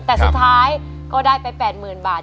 แต่สุดท้ายก็ได้ไป๘๐๐๐บาท